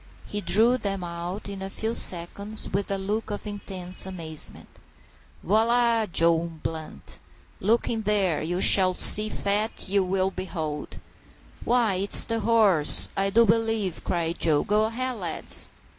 He drew them out in a few seconds, with a look of intense amazement. "Voilà! Joe Blunt. Look in dere, and you shall see fat you vill behold." "Why, it's the horse, I do b'lieve!" cried Joe. "Go ahead, lads!"